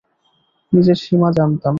নিজের সীমা জানতাম।